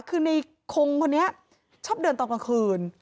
คือในคงคนนี้ชอบเดินตอนกลางคืน